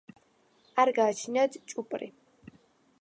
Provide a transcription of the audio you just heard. არ გააჩნიათ ჭუპრი.